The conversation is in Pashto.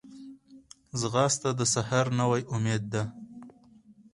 ځغاسته د سحر نوی امید ده